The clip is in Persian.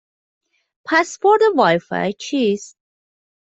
پسورد وای فای چیست؟